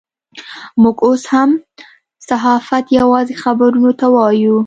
موږ اوس هم صحافت یوازې خبرونو ته وایو.